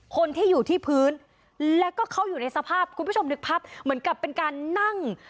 คนที่อยู่ที่พื้นแล้วก็เขาอยู่ในสภาพคุณผู้ชมนึกภาพเหมือนกับเป็นการนั่ง